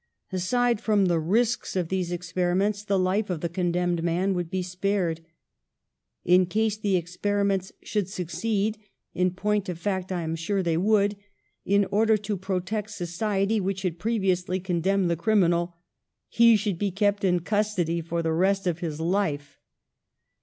Aside from the risks of these experiments, the life of the con demned man would be spared. In case the ex periments should succeed — and, in point of fact, I am sure they would — in order to protect so ciety, which had previously condemned the criminal, he could be kept in custody for the rest of his life.